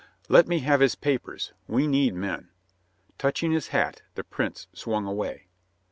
"Let me have his papers. We need men." Touching his hat, the Prince swung away.